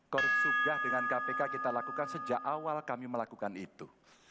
korp sudah dengan kpk kita lakukan sejak awal kami melakukan itu